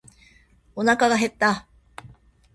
おなかが減った。